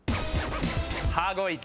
羽子板。